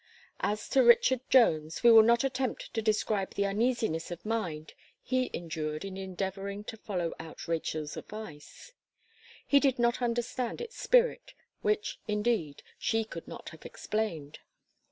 As to Richard Jones, we will not attempt to describe the uneasiness of mind he endured in endeavouring to follow out Rachel's advice. He did not understand its spirit, which, indeed, she could not have explained.